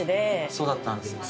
そうだったんですか。